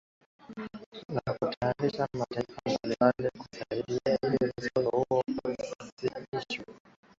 na kuyataka mataifa mbalimbali kusaidia ili mzozo huo usitishwe